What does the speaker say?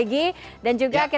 dan juga kita tunggu nanti